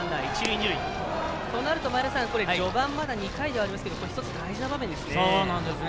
となると、序盤まだ２回ではありますけど１つ大事な場面ですね。